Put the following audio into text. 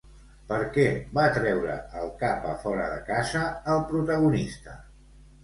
Per què va treure el cap a fora de casa el protagonista?